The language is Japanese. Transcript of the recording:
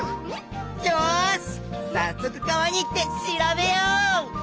よしさっそく川に行って調べよう！